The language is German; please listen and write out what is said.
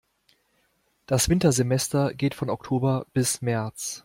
Das Wintersemester geht von Oktober bis März.